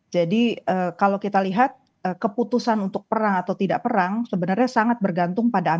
jadi kalau kita lihat keputusan untuk perang atau tidak perang sebenarnya sangat bergantung pada as